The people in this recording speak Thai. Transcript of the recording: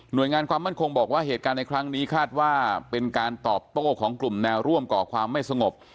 โดยงานความมั่นคงบอกว่าเหตุการณ์ในครั้งนี้คาดว่าเป็นการตอบโต้ของกลุ่มแนวร่วมก่อความไม่สงบ